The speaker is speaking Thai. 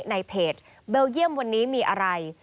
ในเพจเบลเยี่ยมวันนี้มีอะไร